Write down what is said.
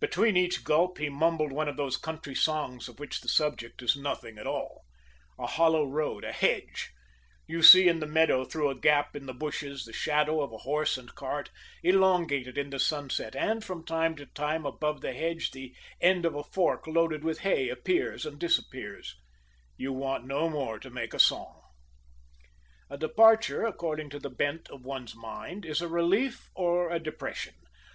Between each gulp he mumbled one of those country songs of which the subject is nothing at all: a hollow road, a hedge; you see in the meadow, through a gap in the bushes, the shadow of a horse and cart, elongated in the sunset, and from time to time, above the hedge, the end of a fork loaded with hay appears and disappears you want no more to make a song. A departure, according to the bent of one's mind, is a relief or a depression.